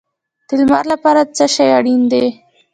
د لمر لپاره څه شی اړین دی؟